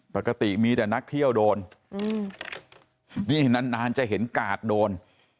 ปกติมีแต่นักเที่ยวโดนนี่นานนานจะเห็นกาดโดน